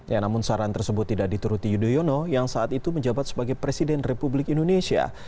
ya namun saran tersebut tidak dituruti yudhoyono yang saat itu menjabat sebagai presiden republik indonesia